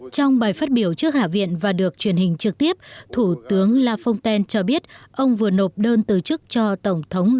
trong bài phát biểu trước hạ viện và được truyền hình trực tiếp thủ tướng laphonten cho biết ông vừa nộp đơn từ chức cho tổng thống